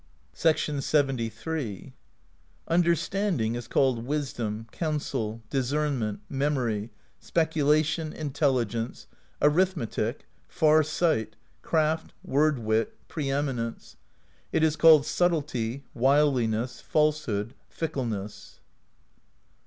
' This is the wrist joint. 240 PROSE EDDA LXXIII. "Understanding is called wisdom, counsel, dis cernment, memory, speculation, intelligence, arithmetic, far sight,* craft, word wit, preeminence. It is called sub tlety, wiliness, falsehood, fickleness.